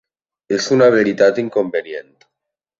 És una veritat inconvenient.